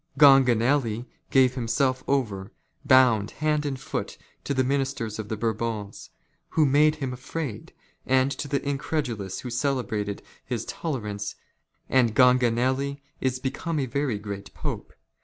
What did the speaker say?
Ganganelli gave " himself over, bound hand and foot, to the ministers of the Bourbons, " who made him afraid, and to the incredulous who celebrated his " tolerance, and Ganganelli is become a very great Pope.